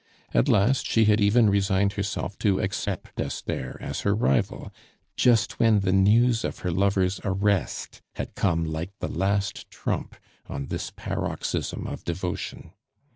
At last she had even resigned herself to accept Esther as her rival, just when the news of her lover's arrest had come like the last trump on this paroxysm of devotion.